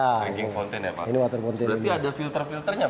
berarti ada filter filternya pak